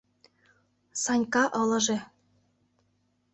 — Санька ылыже.